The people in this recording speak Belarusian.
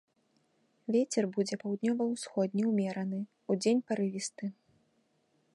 Вецер будзе паўднёва-ўсходні ўмераны, удзень парывісты.